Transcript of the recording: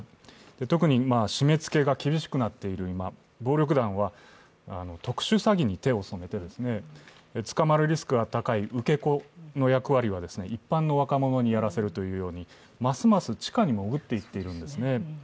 特に締めつけが厳しくなっている暴力団は特殊詐欺に手を染めて、捕まるリスクの高い受け子の役割は一般の若者にやらせるというように、ますます地下に潜っていってるんですね。